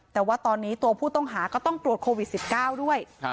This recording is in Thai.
แต่ว่าตอนนี้ตัวผู้ต้องหาก็ต้องตรวจโควิด๑๙ด้วย